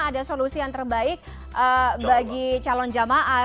ada solusi yang terbaik bagi calon jamaah